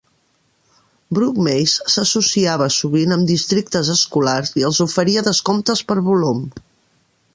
Brook Mays s'associava sovint amb districtes escolars i els oferia descomptes per volum.